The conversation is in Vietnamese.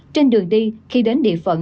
trên đường đi khi đến địa phận